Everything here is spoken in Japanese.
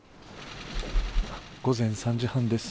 午前３時半です。